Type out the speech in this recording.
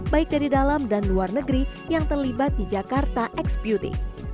baik dari dalam dan luar negeri yang terlibat di jakarta x beauty